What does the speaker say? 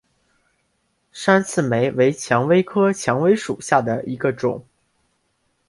山刺玫为蔷薇科蔷薇属下的一个种。